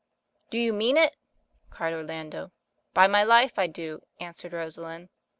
Do you mean it?" cried Orlando. By my life I do," answered Rosalind.